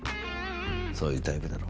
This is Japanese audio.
そういうタイプだろ。